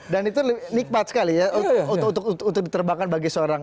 dan itu nikmat sekali ya untuk diterbangkan bagi seorang